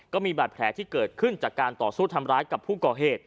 ก็มีบาดแผลที่เกิดขึ้นจากการต่อสู้ทำร้ายกับผู้ก่อเหตุ